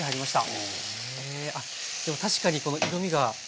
あっでも確かにこの色みが。